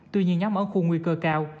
tuy nhiên nhóm ở khu nguy cơ cao